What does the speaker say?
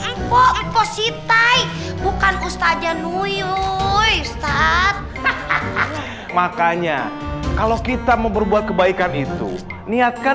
mpo mpo sitai bukan ustadz zahnurul makanya kalau kita mau berbuat kebaikan itu niatkan